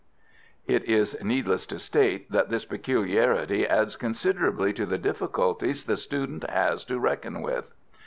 It is needless to state that this peculiarity adds considerably to the difficulties the student has to reckon with.